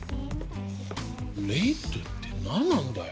レートって何なんだよ。